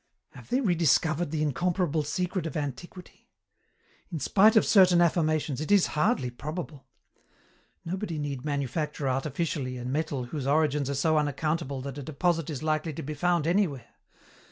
"Have they rediscovered the incomparable secret of antiquity? In spite of certain affirmations, it is hardly probable. Nobody need manufacture artificially a metal whose origins are so unaccountable that a deposit is likely to be found anywhere.